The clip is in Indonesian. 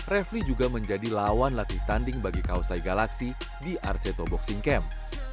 refli juga menjadi lawan latih tanding bagi kausai galaksi di arseto boxing camp